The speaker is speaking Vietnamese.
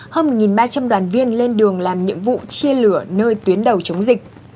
hơn một ba trăm linh đoàn viên lên đường làm nhiệm vụ chia lửa nơi tuyến đầu chống dịch